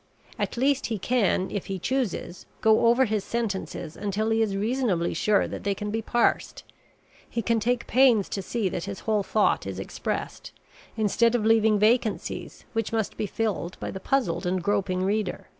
At least he can, if he chooses, go over his sentences until he is reasonably sure that they can be parsed. He can take pains to see that his whole thought is expressed, instead of leaving vacancies which must be filled by the puzzled and groping reader.